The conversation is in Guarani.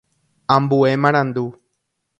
Ambue marandu.